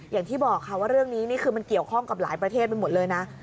อย่างที่บอกค่ะว่าเรื่องนี้นี่คือมันเกี่ยวข้องกับหลายประเทศไปหมดเลยนะ